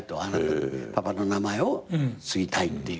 「パパの名前を継ぎたい」っていう。